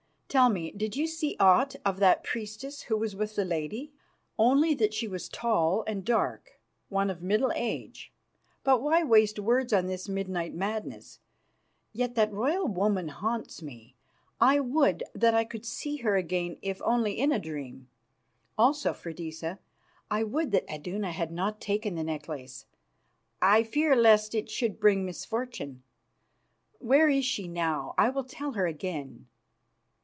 Tell me, did you see aught of that priestess who was with the lady?" "Only that she was tall and dark, one of middle age. But why waste words on this midnight madness? Yet that royal woman haunts me. I would that I could see her again, if only in a dream. Also, Freydisa, I would that Iduna had not taken the necklace. I fear lest it should bring misfortune. Where is she now? I will tell her again."